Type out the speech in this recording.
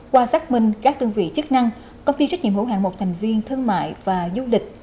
qua xác minh các đơn vị chức năng công ty trách nhiệm hữu hạng một thành viên thương mại và du lịch